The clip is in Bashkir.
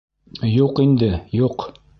Юҡ инде, юҡ.